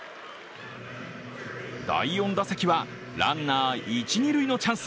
第４打席は、ランナー、一、二塁のチャンス。